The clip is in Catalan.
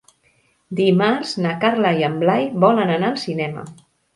Dimarts na Carla i en Blai volen anar al cinema.